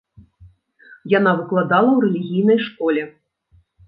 Яна выкладала ў рэлігійнай школе.